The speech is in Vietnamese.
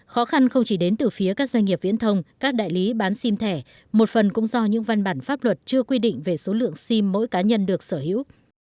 khó khăn không chỉ đến từ phía các doanh nghiệp viễn thông các đại lý bán sim thẻ một phần cũng do những văn bản pháp luật chưa quy định về số lượng sim mỗi cá nhân được sở hữu